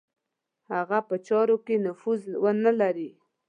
هغه په چارو کې نفوذ ونه لري.